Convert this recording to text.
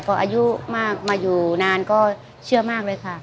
พออายุมากมาอยู่นานก็เชื่อมากเลยค่ะ